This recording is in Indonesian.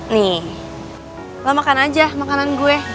nih lo makan aja makanan gue betul dari ibu